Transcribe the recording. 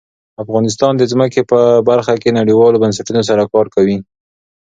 افغانستان د ځمکه په برخه کې نړیوالو بنسټونو سره کار کوي.